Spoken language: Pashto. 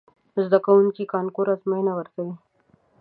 زده کوونکي کانکور ازموینه ورکوي.